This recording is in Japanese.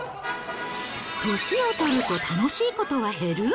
年をとると楽しいことは減る？